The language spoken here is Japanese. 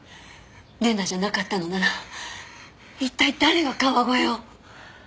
礼菜じゃなかったのなら一体誰が川越を？